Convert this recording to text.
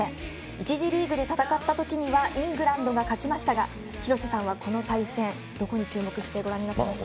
１次リーグで戦った時にはイングランドが勝ちましたが廣瀬さんはこの対戦どこに注目してご覧になりますか？